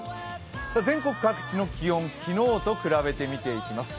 全国各地の気温、昨日と比べて見ていきます。